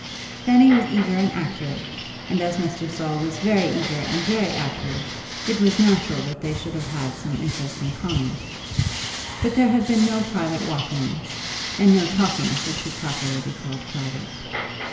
Fanny was eager and active, and as Mr. Saul was very eager and very active, it was natural that they should have had some interests in common. But there had been no private walkings, and no talkings that could properly be called private.